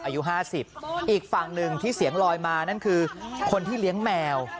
อายุ๕๐อีกฝั่งหนึ่งที่เสียงลอยมานั่นคือคนที่เลี้ยงแมว